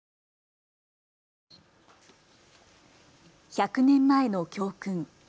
１００年前の教訓。